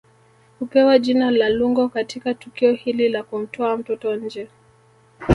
Hupewa jina la Lungo Katika tukio hili la kumtoa mtoto nje